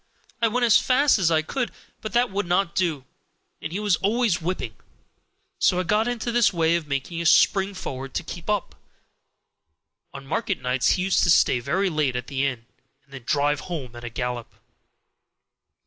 I went as fast as I could, but that would not do, and he was always whipping; so I got into this way of making a spring forward to keep up. On market nights he used to stay very late at the inn, and then drive home at a gallop.